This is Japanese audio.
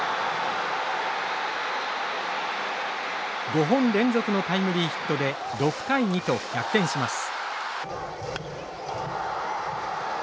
５本連続のタイムリーヒットで６対２と逆転します。